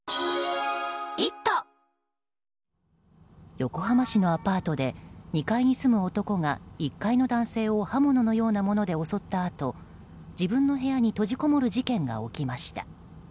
横浜市のアパートで２階に住む男が１階の男性を刃物のようなもので襲ったあと自分の部屋に閉じこもる事件が起きました。